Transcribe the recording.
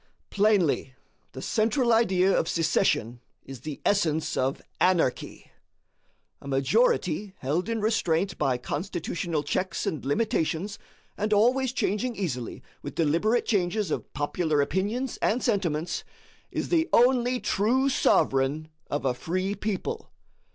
Plainly, the central idea of secession is the essence of anarchy. A majority held in restraint by constitutional checks and limitations, and always changing easily with deliberate changes of popular opinions and sentiments, is the only true sovereign of a free people.